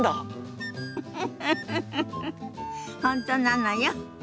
フフフフ本当なのよ。